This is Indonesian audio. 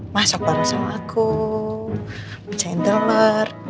masuk bareng sama aku bacain telur